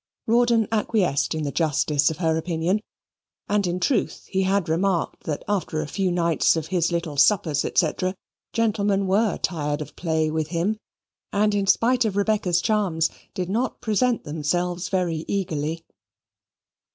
Rawdon acquiesced in the justice of her opinion; and in truth he had remarked that after a few nights of his little suppers, &c., gentlemen were tired of play with him, and, in spite of Rebecca's charms, did not present themselves very eagerly.